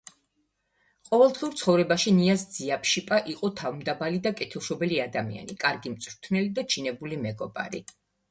ყოველდღიურ ცხოვრებაში ნიაზ ძიაპშიპა იყო თავმდაბალი და კეთილშობილი ადამიანი, კარგი მწვრთნელი და ჩინებული მეგობარი.